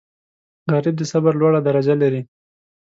غریب د صبر لوړه درجه لري